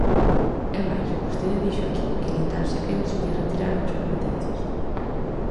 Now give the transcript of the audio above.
É máis, vostede dixo aquí que nin tan sequera se lles retiraron as competencias.